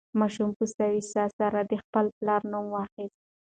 ماشوم په سوې ساه سره د خپل پلار نوم واخیست.